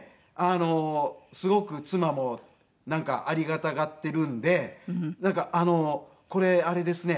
すごく妻もありがたがっているんでなんかこれあれですね。